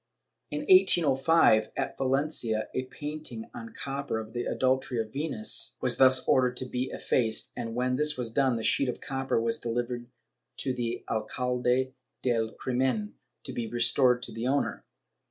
In 1805 at Valencia a painting on copper of the Adultery of Venus was thus ordered to be effaced, and when this was done the sheet of copper was delivered to the alcalde del crimen, to be restored to the owner.